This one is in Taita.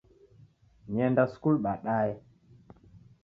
Nienda sukulu baadaye